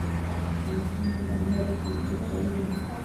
Wanachama wa jamhuri kwenye jopo hilo